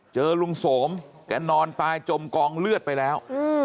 เจอลุงสมแกนอนตายจมกองเลือดไปแล้ว